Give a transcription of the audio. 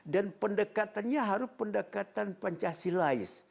dan pendekatannya harus pendekatan pancasilais